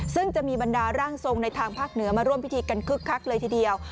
ซึ่งจะมีบรรดาร่างทรงในทางภาคเหนือมาร่วมพิธีกันคึกคักเลยทีเดียว